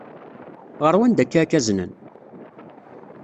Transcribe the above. Ɣer wanda akka ad k-aznen?